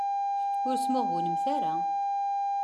Ur smuɣbunemt ara.